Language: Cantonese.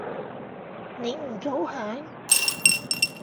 你唔早響？